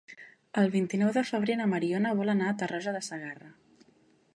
El vint-i-nou de febrer na Mariona vol anar a Tarroja de Segarra.